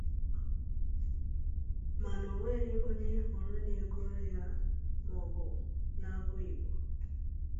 mana o nweghị onye ị hụrụ na-egoro ya maọbụ na-agụ Igbo